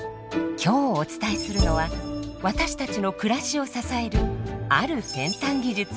今日お伝えするのは私たちの暮らしを支えるある先端技術。